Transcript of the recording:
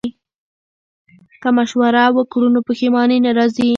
که مشوره وکړو نو پښیماني نه راځي.